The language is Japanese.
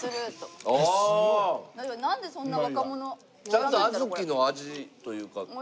ちゃんと小豆の味というか。